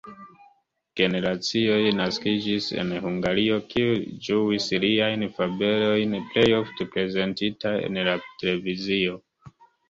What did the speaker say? Generacioj naskiĝis en Hungario, kiuj ĝuis liajn fabelojn, plej ofte prezentitaj en la televizio.